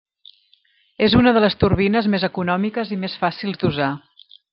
És una de les turbines més econòmiques i més fàcils d'usar.